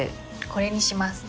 これにします。